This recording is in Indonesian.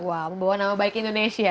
wow membawa nama baik indonesia